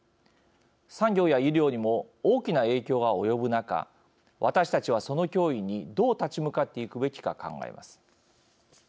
産業や医療にも大きな影響が及ぶ中私たちは、その脅威にどう立ち向かっていくべきか考えます。